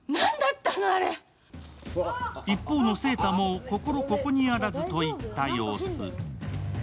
一方の晴太も心ここにあらずといった様子。